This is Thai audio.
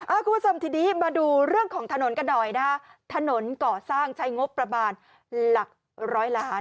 คุณผู้ชมทีนี้มาดูเรื่องของถนนกันหน่อยนะฮะถนนก่อสร้างใช้งบประมาณหลักร้อยล้าน